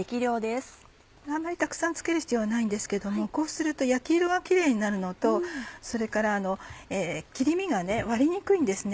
あんまりたくさん付ける必要はないんですけどもこうすると焼き色がキレイになるのとそれから切り身が割れにくいんです。